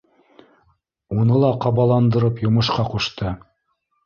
Уны ла ҡабаландырып йомошҡа ҡушты: